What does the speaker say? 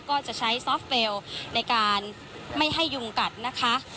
ก็จะใช้ซอฟเวลในการไม่ให้ยุงกัดนะคะ